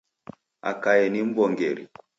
Akae ni m'w'ongeri.